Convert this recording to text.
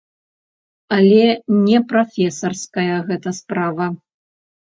Але не прафесарская гэта справа.